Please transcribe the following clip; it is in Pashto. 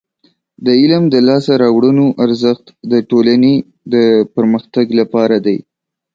د علم د لاسته راوړنو ارزښت د ټولنې د پرمختګ لپاره دی.